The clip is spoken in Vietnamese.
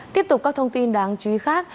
tiếp tục các thông tin đáng chú ý khác